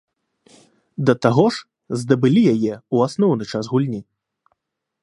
Да таго ж, здабылі яе ў асноўны час гульні.